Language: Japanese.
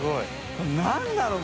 これ何だろう？